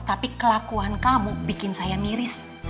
tapi kelakuan kamu bikin saya miris